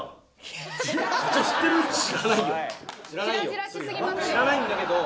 知らないんだけど。